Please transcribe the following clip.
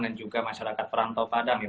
dan juga masyarakat perantau padang